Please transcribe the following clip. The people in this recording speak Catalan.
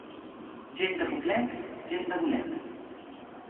Gent de poblet, gent de bolet.